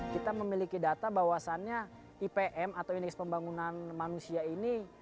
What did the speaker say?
kita memiliki data bahwasannya ipm atau indeks pembangunan manusia ini